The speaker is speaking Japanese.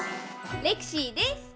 レクシーです！